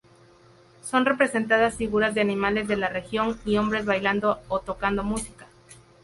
Son representadas figuras de animales de la región y hombres bailando o tocando música.